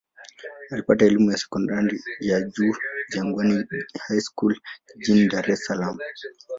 Alipata elimu ya sekondari ya juu Jangwani High School jijini Dar es Salaam.